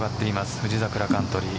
富士桜カントリー。